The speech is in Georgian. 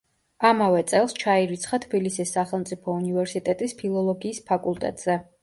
ამავე წელს ჩაირიცხა თბილისის სახელმწიფო უნივერსიტეტის ფილოლოგიის ფაკულტეტზე.